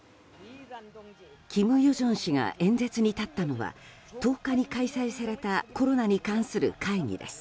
金与正氏が演説に立ったのは１０日に開催されたコロナに関する会議です。